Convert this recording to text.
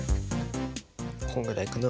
こんぐらいかな？